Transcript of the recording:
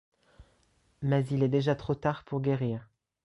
Mais il est déjà trop tard pour guérir.